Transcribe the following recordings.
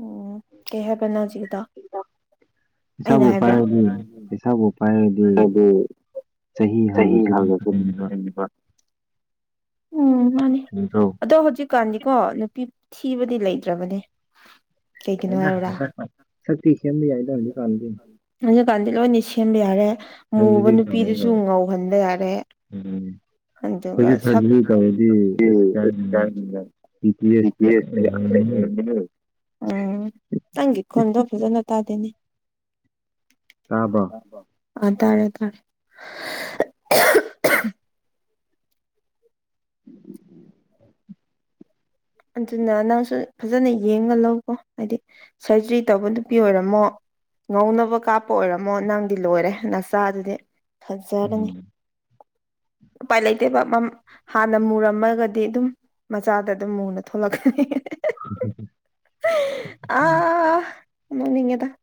ꯎꯝ ꯀ ꯄꯅꯥ ꯆꯖꯤꯗꯥ ꯑꯩꯅ ꯍꯥꯏꯕ꯭ꯔꯥ ꯆꯍꯤ ꯍꯜꯒꯁꯨ ꯑꯗꯨꯝ ꯎꯝ ꯃꯥꯅꯤ ꯑꯗꯣ ꯍꯧꯖꯤꯛ ꯀꯥꯟꯅꯤ ꯀꯣ ꯅꯨꯄꯤ ꯊꯤꯕꯗꯤ ꯂꯩꯇ꯭ꯔꯕꯅꯦ ꯀꯩ ꯀꯅ ꯀꯥꯟꯗꯤ ꯂꯣꯏꯅꯤ ꯁꯦꯝꯕ ꯌꯥꯔꯦ ꯃꯨꯕ ꯅꯨꯄꯤꯗꯨꯁꯨ ꯉꯧꯍꯟꯕ ꯌꯥꯔꯦ ꯑꯗꯨꯒ ꯁꯛ ꯒꯤ ꯀꯁ [inaudible] ꯎꯝ ꯅꯪꯒꯤ ꯈꯣꯟꯗꯣ ꯐꯖꯅ ꯇꯥꯗꯦꯅꯦ ꯇꯥꯕ ꯑ ꯇꯥꯔꯦ ꯇꯥꯔꯦ ꯎꯝ [unintelligible] ꯑꯗꯨꯅ ꯅꯪꯁꯨ ꯐꯖꯅ ꯌꯦꯡꯉ ꯂꯧꯀꯣ ꯍꯥꯏꯗꯤ ꯁꯔꯖꯔꯤ ꯇꯧꯕ ꯅꯨꯄꯤ ꯑꯣꯏꯔꯝꯃꯣ ꯉꯧꯅꯕ ꯀꯥꯞꯄ ꯑꯣꯏꯔꯝꯃꯣ ꯅꯪꯗꯤ ꯂꯣꯏꯔꯦ ꯅꯆꯥ ꯗꯨꯗꯤ ꯐꯖꯔꯅꯤ ꯎꯄꯥꯏ ꯂꯩꯇꯦꯕ ꯃꯝ ꯍꯥꯟꯅ ꯃꯨꯔꯝꯃꯒꯗꯤ ꯗꯨꯝ ꯃꯆꯥꯗ ꯑꯗꯨꯝ ꯃꯨꯅ ꯊꯣꯂꯛꯀꯅꯤ ꯑ ꯅꯣꯅꯤꯡꯉꯦꯗ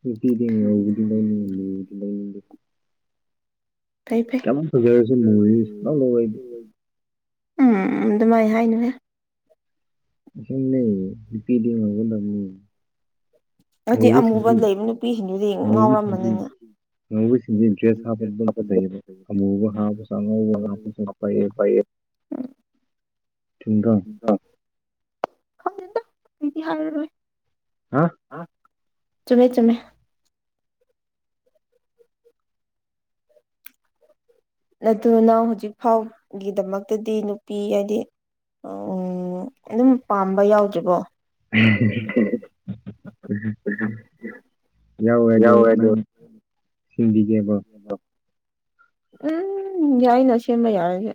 ꯨꯅꯨꯄꯤꯗꯤ ꯉꯧꯋꯤꯗꯤ ꯂꯧꯅꯤꯉꯤ ꯃꯨꯗꯤ ꯂꯧꯅꯤꯡꯗꯦ ꯀꯃ ꯐꯖꯔꯁ ꯃꯨꯔꯤ ꯁꯨꯡꯂꯧ ꯂꯧꯑꯣꯏ ꯑꯩꯗꯤ ꯎꯝ ꯑꯗꯨꯃꯥꯏꯅ ꯍꯥꯏꯅꯔꯦ ꯑꯝ ꯅ ꯄꯤꯗꯤ [unintelligible] ꯍꯥꯏꯗꯤ ꯑꯃꯨꯕ ꯂꯩꯕ ꯅꯨꯄꯤꯁꯤꯡꯗꯨꯗꯤ ꯉꯥꯎꯔꯝꯕꯅꯤꯅꯦ ꯑꯉꯧꯕꯁꯤꯡꯁꯤ ꯗ꯭ꯔꯦꯁ ꯍꯥꯞꯄꯗ ꯑꯗꯨꯝ ꯐꯖꯩꯑꯕ ꯑꯃꯨꯕ ꯍꯥꯞꯄꯁꯨ ꯑꯉꯧꯕ ꯍꯥꯞꯄꯁꯨ ꯄꯌꯦꯕ ꯆꯨꯝꯗꯔꯣ ꯗꯤ ꯍꯔꯔꯣꯏ ꯆꯨꯃꯦ ꯆꯨꯃꯦ ꯅꯠꯇꯅ ꯍꯧꯖꯤꯛ ꯐꯥꯎꯒꯤꯗꯃꯛꯇꯗꯤ ꯅꯨꯄꯤ ꯍꯥꯏꯗꯤ ꯑꯣ ꯎꯝ ꯑꯗꯨꯝ ꯄꯥꯝꯕ ꯌꯥꯎꯗ꯭ꯔꯤꯕꯣ ꯎ [unintelligible] ꯌꯥꯎꯋꯦꯗꯣ ꯅꯪ ꯁꯤꯟꯕꯤꯒꯦꯕ ꯎꯝ ꯌꯥꯏꯅ ꯁꯦꯝꯃ ꯌꯥꯔꯗꯤ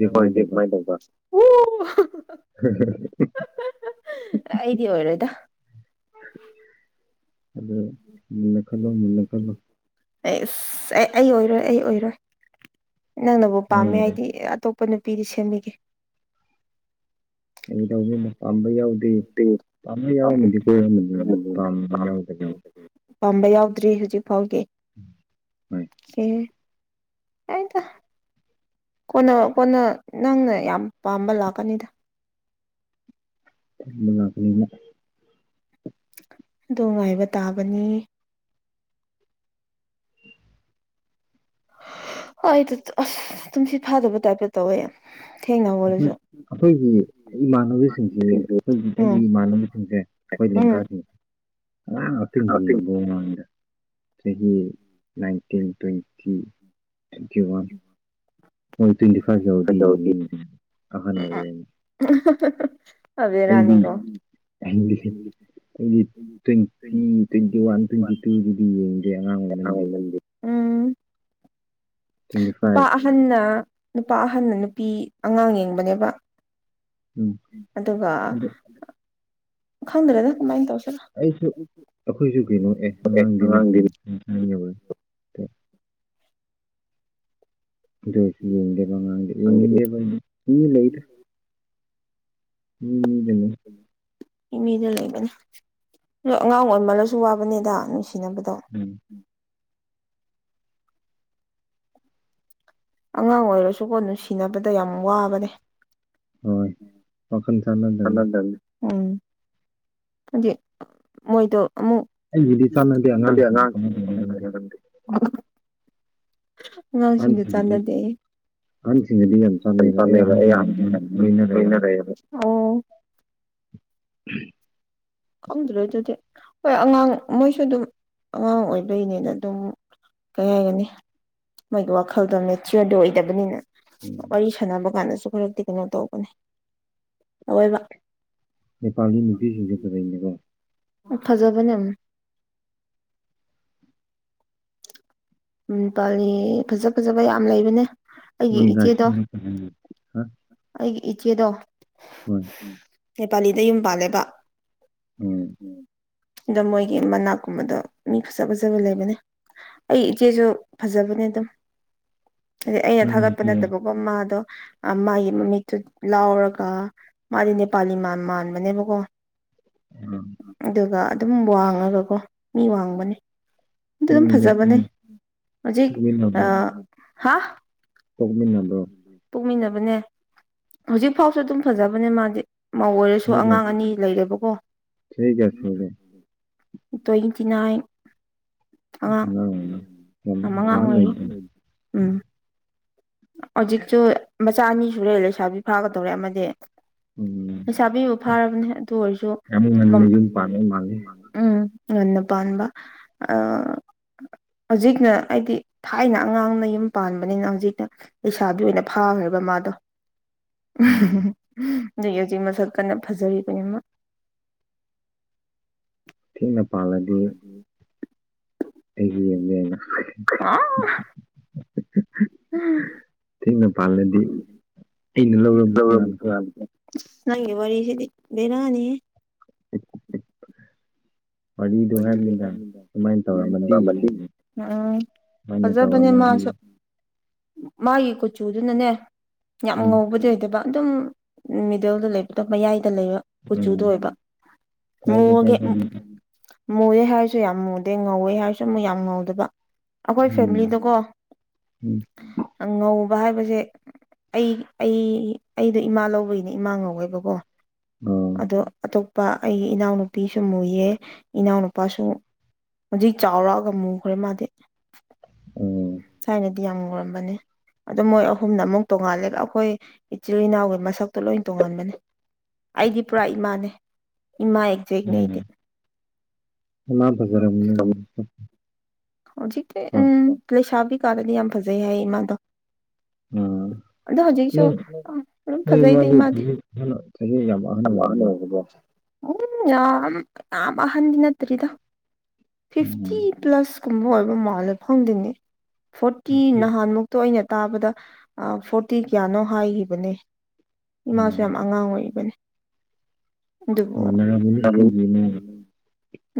ꯅꯪ ꯑꯣꯏꯔꯗꯤ ꯀꯃꯥꯏꯟ ꯇꯧꯕ ꯑꯩꯗꯤ ꯑꯣꯏꯔꯣꯏꯗ ꯑꯗꯨ ꯃꯨꯟꯅ ꯈꯜꯂꯣ ꯃꯨꯟꯅ ꯈꯜꯂꯣ ꯑꯦ ꯑꯁ ꯑꯦ ꯑꯩ ꯑꯣꯏꯔꯣꯏ ꯑꯩ ꯑꯣꯏꯔꯣꯏ ꯅꯪꯅꯕꯨ ꯄꯥꯝꯃꯦ ꯍꯥꯏꯗꯤ ꯑꯇꯣꯞ ꯄꯅꯨꯄꯤꯗꯤ ꯁꯦꯝꯕꯤꯒꯦ ꯑꯩ ꯇꯧꯕꯒꯅ ꯄꯥꯝꯕ ꯌꯥꯎꯗꯦ ꯄꯥꯝꯕ ꯌꯥꯎꯔꯝꯃꯗꯤ ꯀꯣꯏꯔꯝꯃꯅꯤꯅ ꯄꯥꯝꯕ ꯌꯥꯎꯗꯦ ꯄꯥꯝꯕ ꯌꯥꯎꯗ꯭ꯔꯤ ꯍꯧꯖꯤꯛ ꯐꯥꯎꯒꯤ ꯑꯦ ꯑ ꯇ ꯀꯣꯟꯅ ꯀꯣꯟꯅ ꯅꯪꯅ ꯌꯥꯝ ꯄꯥꯝꯕ ꯂꯥꯛꯀꯅꯤꯗ ꯉꯥꯛꯅꯤꯡꯉꯦ ꯑꯗꯣ ꯉꯥꯏꯕ ꯇꯥꯕꯅꯤ ꯍ ꯑꯁ ꯇꯨꯝꯁꯤꯠ ꯐꯥꯗꯕ ꯇꯥꯏꯞꯇ ꯇꯧꯋꯦ ꯑꯈꯣꯏ ꯑꯩꯈꯣꯏꯒꯤ ꯏꯃꯥꯟꯕꯤꯁꯤꯡꯁꯤ ꯑꯩꯈꯣꯏꯒꯤ ꯑꯩꯒꯤ ꯏꯃꯥꯟꯅꯕꯁꯤꯡꯁꯦ ꯑꯩꯈꯣꯏ ꯑꯉꯥꯡ ꯉꯥꯛꯇ ꯌꯦꯡꯕ ꯃꯥꯟꯗ ꯆꯍꯤ ꯅꯥꯏꯟꯇꯤꯟ ꯇ꯭ꯋꯦꯟꯇꯤ ꯇꯋꯦꯟꯇꯤ ꯋꯥꯟ ꯃꯣꯏ ꯇ꯭ꯋꯦꯟꯇꯤ ꯐꯥꯏꯚ ꯌꯗꯤ ꯎ ꯑꯕꯔꯅꯤꯒꯣ [unintelligible] ꯑꯩꯏꯗꯤ ꯇ꯭ꯋꯦꯟꯇꯤ ꯇ꯭ꯋꯦꯟꯇꯤ ꯋꯥꯟ ꯇ꯭ꯋꯦꯟꯇꯤ ꯇꯨꯗꯨꯗꯤ ꯌꯦꯡꯗꯦ ꯑꯉꯥꯡ ꯑꯣꯏꯃꯟꯗꯤ [inaudible] ꯅꯨꯄꯥ ꯑꯍꯟꯅ ꯅꯨꯄꯥ ꯑꯍꯟꯅ ꯅꯨꯄꯤ ꯑꯉꯥꯡ ꯌꯦꯡꯕꯅꯦꯕ ꯑꯗꯨꯒ ꯈꯪꯗꯔ꯭ꯦꯗ ꯀꯃꯥꯏꯟ ꯇꯧꯁꯤ ꯑꯩꯁꯨ ꯑꯈꯣꯏꯁꯨ ꯀꯩꯅꯣ ꯑꯦ ꯑꯉꯥꯡꯗꯤꯅꯪꯉꯦꯕ ꯄꯦ ꯗꯣꯁꯤ ꯌꯦꯉꯥꯡꯗꯤ ꯌꯦꯡꯅꯤꯡꯗꯦꯕ ꯃꯤ ꯂꯩꯗ ꯎꯝ ꯃꯤꯗ ꯂꯩꯕꯅꯦ ꯅꯣꯏ ꯑꯉꯥꯡ ꯑꯣꯏꯃꯜꯂꯁꯨ ꯋꯥꯕꯅꯦꯗ ꯅꯁ ꯊꯤꯅꯕꯗꯣ ꯎ ꯑꯉꯥꯡ ꯑꯣꯏꯔꯁꯨꯀꯣ ꯅꯨꯡꯁꯤꯅꯕꯗ ꯌꯥꯝ ꯋꯥꯕꯅꯦ ꯍꯣꯏ ꯋꯥꯈꯟ ꯎꯝ ꯃꯣꯏ ꯗꯤꯗꯤ ꯑꯉꯥꯡꯁꯤꯡꯁꯨ ꯆꯥꯟꯅꯗꯦ ꯆ ꯂꯩꯕꯦ ꯑ ꯎꯝ ꯈꯪꯗ꯭ꯔꯣꯏ ꯑꯗꯨꯗꯤ ꯍꯣꯏ ꯑꯉꯥꯡ ꯃꯣꯏꯁꯨ ꯑꯗꯨꯝ ꯑꯉꯥꯡ ꯑꯣꯏꯕꯩꯅꯦꯅ ꯑꯗꯨꯝ ꯀꯩ ꯍꯥꯏꯒꯅꯤ ꯃꯣꯏꯒꯤ ꯋꯥꯈꯜꯗꯣ ꯃꯦꯆꯌꯔꯗꯤ ꯑꯣꯏꯗꯕꯅꯤꯅ ꯋꯥꯔꯤ ꯁꯥꯟꯅꯕ ꯀꯥꯟꯗꯁꯨ ꯈꯔꯛꯇꯤ ꯀꯩꯅꯣ ꯇꯧꯕꯅꯦ ꯑꯋꯏꯕ ꯅꯦꯄꯥꯒꯤ ꯅꯨꯄꯤꯁꯤꯡꯁꯦ ꯀꯔꯤꯅꯤꯀꯣ ꯑꯣ ꯈꯥꯖꯥꯕꯅꯦꯝ ꯎꯝ ꯄꯥꯜꯂꯤ ꯐꯖ ꯐꯖꯕ ꯌꯥꯝ ꯂꯩꯕꯅꯦ ꯣꯏ ꯔ ꯑꯩꯒꯤ ꯏꯆꯦꯗꯣ ꯍꯣꯏ ꯅꯦꯄꯥꯂꯤꯗ ꯌꯨꯝ ꯄꯥꯜꯂꯦꯕ ꯎꯝ ꯑꯗ ꯃꯣꯏꯒꯤ ꯃꯅꯥꯛꯀꯨꯝꯕꯗꯣ ꯃꯤ ꯐꯖ ꯐꯖꯕ ꯂꯩꯕꯅꯦ ꯑꯩ ꯏꯆꯦꯁꯨ ꯐꯖꯕꯅꯦ ꯑꯗꯨꯝ ꯑꯗꯩ ꯑꯩꯅ ꯊꯥꯒꯠꯄ ꯅꯠꯇꯕꯀꯣ ꯃꯥꯥꯗꯣ ꯃꯥꯒꯤ ꯃꯃꯤꯠꯇꯨ ꯂꯥꯎꯔꯒ ꯃꯥꯗꯤ ꯅꯦꯄꯥꯂꯤꯥꯟ ꯃꯥꯟꯕꯅꯦꯕꯀꯣ ꯑꯗꯨꯒ ꯑꯗꯨꯝ ꯋꯥꯡꯉꯒꯀꯣ ꯃꯤ ꯋꯥꯡꯕꯅꯦ ꯎꯝꯝ ꯍꯧꯖꯤ ꯑ ꯍꯥ ꯇꯨꯡꯃꯤ ꯅ ꯅꯦ ꯍꯧꯖꯤꯛ ꯐꯥꯎꯁꯨ ꯑꯗꯨꯝ ꯐꯖꯕꯅꯦ ꯃꯥꯗꯤ ꯃꯧ ꯑꯣꯏꯔꯁꯨ ꯑꯉꯥꯡ ꯑꯅꯤ ꯂꯩꯔꯦꯕꯀꯣ ꯇꯣꯏꯟꯇꯤꯅꯥꯏ ꯑꯉꯥꯡ ꯃꯉꯥꯡ ꯑꯣꯏꯔꯤ ꯎꯝ ꯍꯧꯖꯤꯛꯁꯨ ꯃꯆꯥ ꯑꯅꯤ ꯁꯨꯔꯦ ꯂꯩꯁꯥꯕꯤ ꯐꯥꯒꯗꯧꯔꯦ ꯑꯃꯗꯤ ꯎꯝ ꯩꯁꯥꯕꯤꯕꯨ ꯐꯥꯔꯕꯅꯦ ꯑꯗꯨ ꯑꯣꯏꯔꯁꯨ ꯎꯝ ꯉꯟꯅꯄꯥꯝꯕ ꯍꯧꯖꯤꯛꯅ ꯍꯥꯏꯗꯤ ꯊꯥꯏꯅ ꯑꯉꯥꯡꯅ ꯌꯨꯝ ꯄꯥꯟꯕꯅꯤꯅ ꯍꯧꯖꯤꯛꯇꯅ ꯂꯩꯁꯥꯕꯤ ꯑꯣꯏꯅ ꯐꯥꯈ꯭ꯔꯒ ꯃꯥꯗꯣ ꯍꯧꯖꯤ ꯍꯧꯖꯤꯛ ꯃꯁꯛ ꯀꯟꯅ ꯐꯖꯔꯤꯕꯅꯤꯃ ꯊꯦꯡꯅ ꯄꯥꯜꯂꯗꯤ ꯑꯩꯒꯤ ꯌꯦꯅ ꯑ ꯀ ꯅꯪꯦ ꯋꯥꯔꯤꯁꯤꯗꯤ ꯂꯩꯔꯅꯤ [inaudible] [inaudible] ꯐꯖꯕꯅꯦ ꯃꯥꯁꯨ ꯃꯥꯒꯤ ꯀꯨꯆꯨꯗꯨꯅꯅꯦ ꯌꯥꯝ ꯉꯧꯕꯗꯤ ꯑꯣꯏꯗꯕ ꯑꯗꯨꯝ ꯃꯤꯗꯜꯗ ꯂꯩꯕꯗ ꯃꯌꯥꯏ ꯇ ꯂꯩꯕ ꯀꯨꯆꯨꯗ ꯑꯣꯏꯕ ꯃꯣꯒꯦ ꯃꯨꯑꯦ ꯍꯥꯏꯔꯁꯨ ꯌꯥꯝ ꯃꯨꯗꯦ ꯉꯧꯋꯦ ꯍꯥꯏꯔꯁꯨ ꯑꯃꯨꯛ ꯌꯥꯝ ꯉꯧꯗꯕ ꯑꯩꯈꯣꯏ ꯐꯦꯃꯤꯂꯤꯗꯀꯣ ꯑꯉ ꯍꯥꯏꯕꯁꯦ ꯑꯩ ꯑꯩ ꯑꯩꯗꯣ ꯏꯃꯥ ꯂꯧꯕꯒꯤꯅꯦ ꯏꯃꯥ ꯉꯧꯋꯦꯕꯀꯣ ꯑꯗꯣ ꯑꯇꯣꯞꯄ ꯑꯩꯒꯤ ꯏꯅꯥꯎꯅꯨꯄꯤꯁꯨ ꯃꯨꯏꯌꯦ ꯏꯅꯥꯎꯅꯨꯄꯥꯁꯨ ꯍꯧꯖꯤꯛ ꯆꯥꯎꯔꯛꯑꯒ ꯃꯨꯈ꯭ꯔꯦ ꯃꯥꯗꯤꯦ ꯊꯥꯏꯅꯗꯤ ꯌꯥꯝ ꯉꯧꯔꯝꯕꯅꯦ ꯑꯗꯣ ꯃꯣꯏ ꯑꯍꯨꯝꯅ ꯑꯃꯨꯛ ꯇꯣꯡꯉꯥꯜꯂꯦꯒ ꯑꯩꯈꯣꯏ ꯏꯆꯤꯜ ꯏꯅꯥꯎꯒꯤ ꯃꯁꯛꯇꯣ ꯂꯣꯏ ꯇꯣꯡꯉꯥꯟꯕꯅꯦ ꯑꯩꯗꯤ ꯄꯨꯔꯥ ꯏꯃꯥꯅꯦ ꯏꯃꯥ ꯑꯦꯛꯖꯛꯅꯦ ꯑꯩꯗꯤ ꯍꯧꯖꯤꯛꯇꯤ ꯎꯝ ꯂꯩꯁꯥꯕꯤ ꯀꯥꯗꯗꯤ ꯌꯥꯝ ꯐꯖꯩ ꯍꯥꯏ ꯏꯃꯥꯗꯣ ꯑꯗꯣ ꯍꯧꯖꯤꯛꯁꯨ ꯑꯗꯨꯝ ꯐꯖꯩꯗ ꯏ ꯃꯥꯗꯤꯦ [unintelligible] ꯎꯝ ꯌꯥꯝ ꯌꯥꯝ ꯑꯍꯟꯗꯤ ꯅꯠꯇ꯭ꯔꯤꯗ ꯐꯤꯐꯇꯤ ꯄ꯭ꯂꯁ ꯨꯀꯨꯝꯕ ꯑꯣꯏꯕ ꯃꯥ ꯐꯪꯗꯣꯏ ꯐꯣꯔꯇꯤ ꯅꯍꯥꯟꯃꯨꯛꯇꯩꯅ ꯇꯥꯕꯗ ꯐꯣꯔꯇꯤ ꯀꯌꯥꯅꯣ ꯍꯥꯏꯈꯤꯕꯅꯦ ꯏꯃꯥꯁꯨ ꯌꯥꯝ ꯑꯉꯥꯡ ꯑꯣꯏꯕꯅꯤ ꯑꯗꯨꯕꯨ [unintelligible]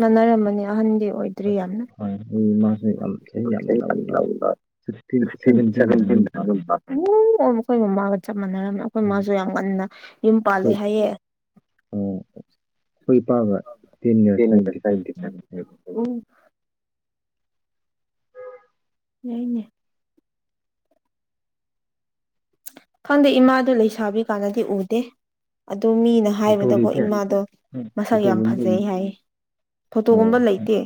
ꯃꯥꯟꯅꯔꯝꯃꯅꯤ ꯑꯍꯟꯗꯤ ꯑꯣꯏꯗ꯭ꯔꯤ ꯌꯥꯝꯅ [unintelligible] ꯈꯣꯏ ꯃꯃꯥꯒ ꯆ ꯃꯥꯟꯅꯔꯝꯃꯦ ꯑꯩꯈꯣꯏ ꯃꯥꯁꯨ ꯌꯥꯝ ꯉꯟꯅ ꯌꯨꯝ ꯄꯥꯜꯂ ꯍꯥꯏꯌꯦ ꯥ [unintelligible] ꯌꯥꯏꯅꯦ ꯈꯪꯗꯦ ꯏꯃꯥꯗꯨ ꯂꯩꯁꯥꯕꯤ ꯀꯥꯟꯗꯗꯤ ꯎꯗꯦ ꯗꯣ ꯃꯤꯅ ꯍꯥꯏꯕꯗꯀꯣ ꯏꯃꯥꯗꯣ ꯃꯁꯛ ꯌꯥꯝ ꯐꯖꯩ ꯍꯥꯏ ꯐꯣꯇꯣꯒꯨꯝꯕ ꯂꯩꯇꯦ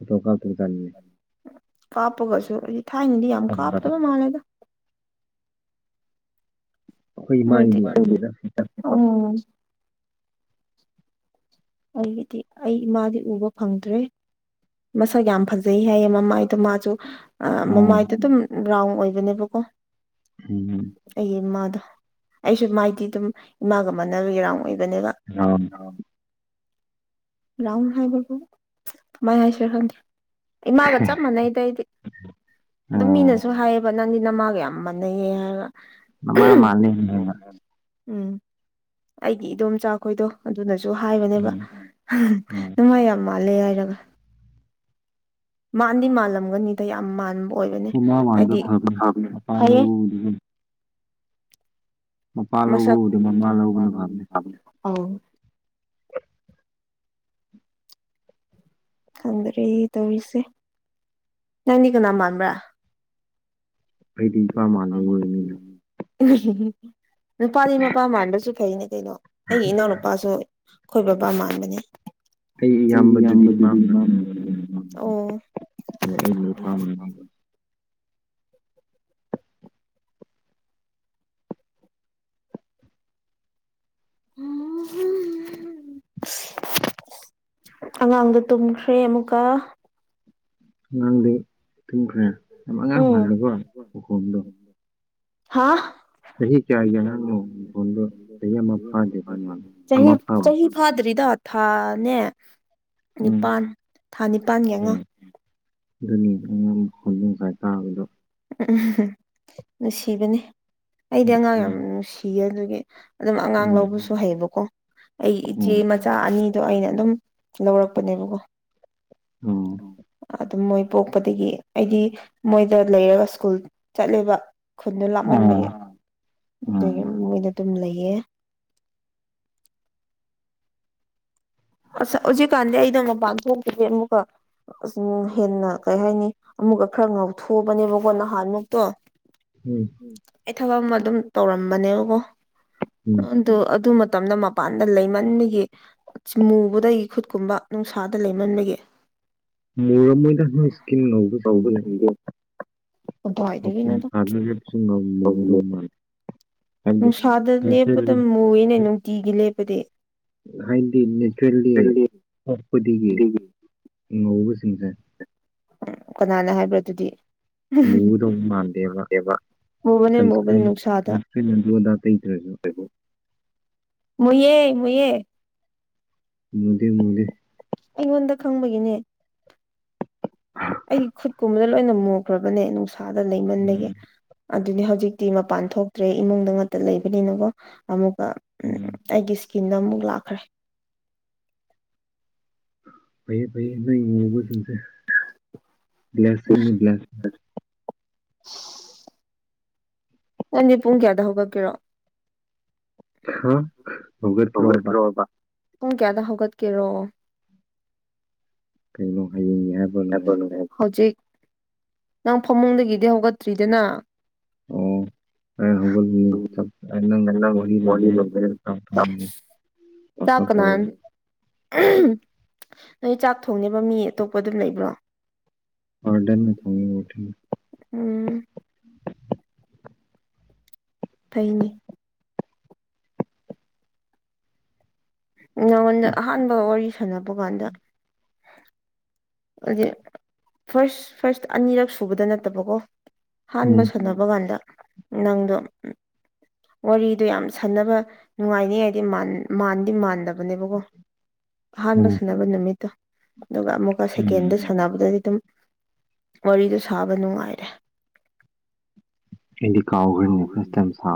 ꯎꯝ ꯐꯇꯣ [unintelligible] ꯀꯥꯞꯄꯒꯁꯨ ꯑꯩꯗꯤ ꯊꯥꯏꯅꯗꯤ ꯌꯥꯝ ꯀꯥꯞꯇꯕ ꯃꯥꯜꯂꯦꯗ ꯃꯣꯢ ꯎꯝ ꯑꯩꯒꯤꯗꯤ ꯑꯩ ꯏꯃꯥꯗꯤ ꯎꯕ ꯐꯪꯗ꯭ꯔꯦ ꯃꯁꯛ ꯌꯥꯝ ꯐꯖꯩ ꯍꯥꯏꯌꯦ ꯃꯃꯥꯏꯗꯣ ꯃꯥꯁꯨ ꯃꯃꯥꯏꯗ ꯑꯗꯨꯝ ꯔꯥꯎꯟ ꯑꯣꯏꯕꯅꯦꯕꯀꯣ ꯑꯩꯒꯤ ꯏꯃꯥꯗꯣ ꯑꯩꯁꯨ ꯃꯥꯏꯗꯤ ꯑꯗꯨꯝ ꯏꯃꯥꯒ ꯃꯥꯟꯅꯅꯕꯒꯤꯔꯥꯎ ꯑꯣꯏꯒꯅꯦꯕ ꯑ ꯔꯥꯎꯟ ꯍꯥꯏꯕꯕꯨ ꯃꯥꯏ ꯍꯥꯏ ꯁ ꯈꯪꯗꯤ ꯏꯃꯥꯒ ꯆꯞ ꯃꯥꯟꯅꯩꯗ ꯑꯩꯗꯤ ꯑꯗꯨꯝ ꯃꯤꯅꯁꯨ ꯍꯥꯏꯌꯦꯕ ꯅꯪꯗꯤ ꯅꯃꯥꯒ ꯌꯥꯝ ꯃꯥꯟꯅꯩꯌꯦ ꯍꯥꯏꯔꯒ ꯃꯃ ꯃꯥꯂꯦꯅ ꯎꯝ ꯑꯩꯗꯤ ꯏꯗꯣꯝꯆꯥꯈꯣꯏꯗꯣ ꯑꯗꯨꯅꯁꯨ ꯍꯥꯏꯕꯅꯦꯕ ꯅꯃꯥ ꯌꯥꯝ ꯃꯥꯜꯂꯦ ꯍꯥꯏꯔꯒ ꯃꯥꯟꯗꯤ ꯃꯥꯜꯂꯝꯒꯅꯤꯗ ꯌꯥꯝ ꯑꯣꯏꯕꯅꯦ ꯍꯥꯏꯗꯤ ꯐꯩꯌꯦ ꯃꯁꯛ ꯈꯪꯗ꯭ꯔꯦ ꯇꯧꯔꯤꯁꯦ ꯅꯪꯗꯤ ꯀꯅꯥ ꯃꯥꯟꯕ꯭ꯔꯥ ꯑꯩꯩꯗꯤ ꯏꯄꯥ ꯃꯥꯥꯜꯂꯦ ꯌꯦ ꯃꯤꯅ ꯅꯨꯄꯥꯗꯤ ꯃꯄꯥ ꯃꯥꯟꯕꯁꯨ ꯐꯩꯅꯦ ꯀꯩꯅꯣ ꯑꯩꯒꯤ ꯏꯅꯥꯎꯅꯨꯄꯥꯁꯨ ꯑꯩꯈꯣꯏ ꯕꯕꯥ ꯃꯥꯟꯕꯅꯦ ꯑꯩ ꯏꯌꯥꯝꯕꯗꯤ ꯑꯣ ꯑꯩꯒꯤ ꯏꯄꯥꯅ ꯑꯃꯨꯛꯀꯥ [unintelligible] ꯑꯉꯥꯡꯗꯣ ꯇꯨꯝꯈ꯭ꯔꯦ ꯑꯃꯨꯛꯀ ꯑꯉꯥꯡ ꯗꯤ ꯇꯈ꯭ꯔꯦꯃꯉꯥꯡ ꯃꯥꯟꯗꯦꯀꯣ ꯀꯈꯜꯗꯣ ꯍꯥꯥ ꯆꯍꯤ ꯐꯥꯗꯔꯤꯗ ꯊꯥꯅꯦ ꯅꯤꯄꯥꯜ ꯊꯥ ꯅꯤꯄꯥꯜ ꯃꯉꯥ ꯈꯣꯡꯖ ꯀꯥꯏ ꯇꯥꯕꯗꯣ ꯎꯝ ꯅꯨꯡꯁꯤꯕꯅꯤ ꯑꯩꯗꯤ ꯑꯉꯥꯡ ꯌꯥꯝ ꯅꯨꯡꯁꯤꯌꯦ ꯑꯗꯨꯒꯤ ꯑꯗꯨꯝ ꯑꯉꯥꯡ ꯂꯧꯕꯁꯨ ꯍꯩꯕꯀꯣ ꯑꯩꯒꯤ ꯏꯆꯦ ꯃꯆꯥ ꯑꯅꯤꯗꯣ ꯑꯩꯅ ꯑꯗꯨꯝ ꯂꯧꯔꯛꯄꯅꯦꯕꯀꯣ ꯎꯝ ꯑꯗꯨꯝ ꯃꯣꯏ ꯄꯣꯛꯄꯗꯒꯤ ꯑꯩꯗꯤ ꯃꯣꯏꯗ ꯂꯩꯔꯒ ꯁ꯭ꯀꯨꯜ ꯆꯠꯂꯦꯕ ꯈꯨꯟꯗꯣ ꯂꯥꯞꯃꯟꯕꯒꯤ ꯑꯗꯒꯤ ꯃꯣꯏꯗ ꯑꯗꯨꯝ ꯂꯩ ꯌꯦ ꯑꯁ ꯍꯧꯖꯤꯛꯀꯥꯟꯗꯤ ꯑꯩꯗꯣ ꯃꯄꯥꯟ ꯊꯣꯛꯈꯤꯗꯦ ꯑꯃꯨꯛꯀ ꯑꯁꯨꯝ ꯍꯦꯟꯅ ꯀꯩ ꯍꯥꯏꯅꯤ ꯑꯃꯨꯛꯀ ꯈꯔ ꯉꯥꯎꯊꯣꯛꯑꯕꯅꯦꯕꯀꯣ ꯅꯍꯥꯟꯃꯨꯛꯇꯣ ꯑꯩ ꯊꯕꯛ ꯑꯃ ꯑꯗꯨꯝ ꯇꯧꯔꯝꯕꯅꯦꯕꯀꯣ ꯑꯗꯨ ꯃꯇꯝꯗ ꯃꯄꯥꯟꯗ ꯂꯩꯃꯟꯒꯤ ꯆꯃꯨꯕꯗꯩ ꯈꯨꯠꯀꯨꯝꯕ ꯅꯨꯡꯁꯥꯗ ꯂꯩꯃꯟꯕꯒꯤ ꯍꯧ ꯊꯒ ꯑ ꯑꯅꯒꯔꯤꯁꯨ ꯉ ꯃꯔ ꯃꯅꯤ ꯅꯨꯡꯁꯥꯗ ꯂꯦꯞꯄꯗ ꯃꯨꯏꯅꯦ ꯅꯨꯡꯇꯤꯒꯤ ꯂꯦꯞꯄꯗꯤ ꯍꯥꯏꯗꯤ ꯅꯦꯆꯔꯦꯜꯂꯤ ꯄꯄꯗꯒꯤ ꯎ ꯑꯣꯕꯁꯤꯡꯤꯡꯁꯦ ꯎꯝ ꯀꯅꯥꯅ ꯍꯥꯏꯕ꯭ꯔꯣ ꯑꯗꯨꯗꯤ ꯃꯨꯕꯅꯦ ꯃꯨꯕꯗꯤ ꯅꯨꯡꯁꯥꯗ ꯃꯨꯌꯦꯦ ꯃꯨꯌꯦꯦ ꯃꯗꯦ ꯃꯗꯦ ꯑꯩꯉꯣꯟꯗ ꯈꯪꯕꯒꯤꯅꯦ ꯑꯩꯒꯤ ꯈꯨꯠꯀꯨꯝꯕꯗ ꯂꯣꯏꯅ ꯃꯣꯛꯈ꯭ꯔꯕꯅꯦ ꯅꯨꯡꯁꯥꯗ ꯂꯩꯃꯟꯗꯒꯤ ꯑꯗꯨꯅꯤ ꯍꯧꯖꯤꯛꯇꯤ ꯃꯄꯥꯟ ꯊꯣꯛꯇ꯭ꯔꯦ ꯏꯃꯨꯡꯗ ꯉꯇ ꯂꯩꯕꯅꯤꯅꯀꯣ ꯑꯃꯨꯛ ꯎꯝ ꯇꯀꯤꯟꯗ ꯑꯃꯨꯛ ꯂꯥꯛꯈ꯭ꯔꯦ ꯐꯩꯌꯦ ꯐꯩꯌꯦ ꯅꯪ ꯅꯣꯡꯕꯨ ꯆꯪꯁꯦ ꯭ꯂ ꯁꯤꯡ ꯭ꯂ [unintelligible] ꯅꯗꯤꯦ ꯄꯨꯡ ꯀꯌꯥꯗ ꯍꯧꯒꯛꯀꯦꯔꯣ ꯑ ꯃꯒꯔ ꯊꯔꯣꯕ ꯍ ꯀꯌꯥꯗ ꯍꯧꯒꯠ ꯀꯦꯔꯣ ꯀꯩꯅꯣ ꯍꯌꯦꯡꯅꯤ ꯍꯥꯏꯕꯅꯤ ꯍꯥꯏꯁꯦ ꯅꯪ ꯐꯃꯨꯡꯗꯒꯤꯗꯤ ꯍꯧꯒꯠꯇ꯭ꯔꯤꯗꯅ ꯑꯣ ꯍꯧꯒꯜ ꯅꯪ ꯋꯥꯔꯤ ꯆꯀꯅꯥꯥꯟ ꯅꯣꯏ ꯆꯥꯛ ꯊꯣꯡꯅꯦꯕ ꯃꯤ ꯑꯇꯣꯞꯄ ꯑꯗꯨꯝ ꯂꯩꯕ꯭ꯔꯣ ꯑꯔꯗꯔ ꯅ ꯊ ꯎꯝ [unintelligible] ꯀꯩꯅꯦ ꯅꯉꯣꯟꯗ ꯑꯍꯥꯟꯕ ꯋꯥꯔꯤ ꯁꯥꯟꯅꯕ ꯀꯥꯟꯗ ꯑꯗꯨꯗꯤ ꯐꯥꯔꯁ ꯐꯥꯔꯁ ꯑꯅꯤꯔꯛ ꯁꯨꯕꯗ ꯅꯠꯇꯕꯀꯣ ꯍꯥꯟꯕ ꯁꯥꯟꯅꯕ ꯀꯥꯟꯗ ꯅꯪꯗꯣ ꯋꯥꯔꯤꯗꯣ ꯌꯥꯝ ꯁꯥꯟꯅꯕ ꯅꯨꯡꯉꯥꯏꯅꯤꯉꯥꯏꯗꯤ ꯃꯥꯟꯗꯤ ꯃꯥꯟꯗꯕꯅꯦꯕꯀꯣ ꯑꯍꯥꯟꯕ ꯁꯥꯟꯅꯕ ꯅꯨꯃꯤꯠꯇꯣ ꯑꯗꯨꯒ ꯑꯃꯨꯛꯀ ꯀꯦꯟꯗ ꯁꯥꯟꯅꯕꯗꯗꯤ ꯑꯗꯨꯝ ꯋꯥꯔꯤꯗꯣ ꯁꯥꯕ ꯅꯨꯡꯉꯥꯏꯔꯦ ꯏꯗꯤ ꯀꯥꯎꯒꯅꯦ ꯐ